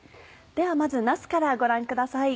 ではまずなすからご覧ください。